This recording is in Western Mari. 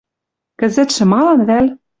Кӹзӹтшӹ малан вӓл